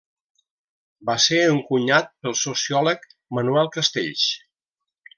Va ser encunyat pel sociòleg Manuel Castells.